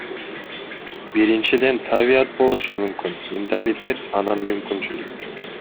Биринчиден, табият болушу мүмкүн, менталитет, анан мүмкүнчүлүк.